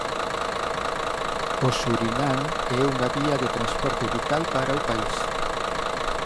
O Surinam é unha vía de transporte vital para o país.